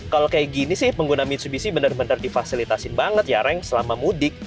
kalau kayak gini sih pengguna mitsubishi benar benar difasilitasin banget ya ren selama mudik